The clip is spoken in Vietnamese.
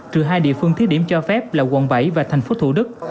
trừ hai địa phương thiết điểm cho phép là quận bảy và thành phố thủ đức